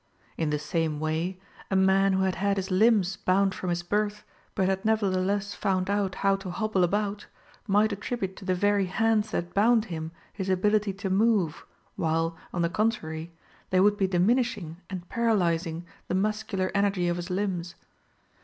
In the same way, a man who had had his limbs bound from his birth, but had nevertheless found out how to hobble about, might attribute to the very hands that bound him his ability to move, while, on the contrary, they would be diminishing and paralyzing the muscular energy of his limbs.